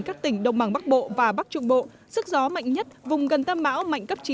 các tỉnh đông bằng bắc bộ và bắc trung bộ sức gió mạnh nhất vùng gần tâm bão mạnh cấp chín